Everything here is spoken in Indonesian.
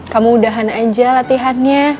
kamu udahan aja latihannya